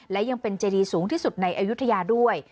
และยังเป็นเจดีสูงที่สุดในอายุทยาด้วย